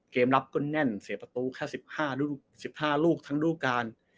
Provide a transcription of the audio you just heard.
เกมรับก็แน่นเสียประตูแค่๑๕ลูกทั้งดูการ